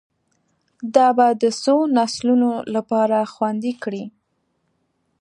دا به د څو نسلونو لپاره خوندي کړي